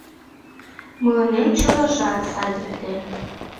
«Мыланем чылажат садикте».